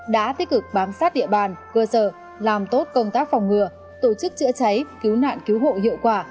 đã tích cực bám sát địa bàn cơ sở làm tốt công tác phòng ngừa tổ chức chữa cháy cứu nạn cứu hộ hiệu quả